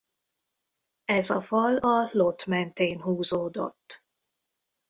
Ez a fal a Lot mentén húzódott.